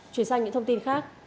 chuyển sang những thông tin khác